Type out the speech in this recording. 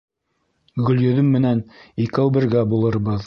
Гөлйөҙөм менән икәү бергә булырбыҙ.